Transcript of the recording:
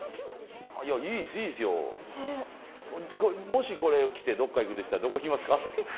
もしこれ着てどっか行くとしたらどこ行きますか？